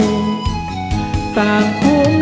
ตามคุ้มอีกทีตามหลุมอีกที